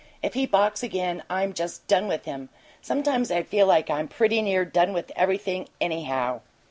If he balks again I'm just done with him! Sometimes I feel like I was pretty near done with everything, anyhow!"